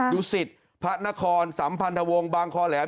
ยุศิษฐ์พระนครสัมพันธวงศ์บางคลอแหลม